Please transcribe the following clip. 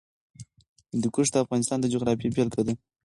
هندوکش د افغانستان د جغرافیې بېلګه ده.